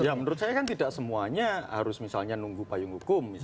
ya menurut saya kan tidak semuanya harus misalnya nunggu payung hukum